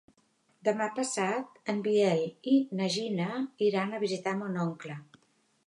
Demà passat en Biel i na Gina iran a visitar mon oncle.